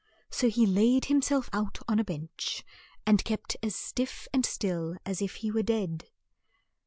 So he laid him self out on a bench, and kept as stiff and still as if he were dead.